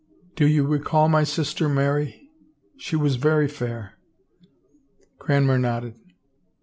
... Do you recall my sister Mary? She was very fair." Cranmer nodded.